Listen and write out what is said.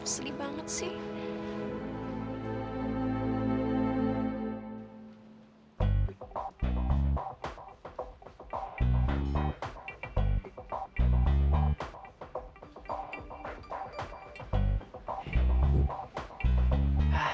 seri banget sih